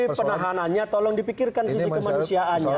tapi penahanannya tolong dipikirkan sisi kemanusiaannya